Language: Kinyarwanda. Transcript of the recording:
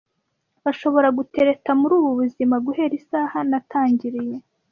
Bashobora gutereta muri ubu buzima - guhera isaha natangiriye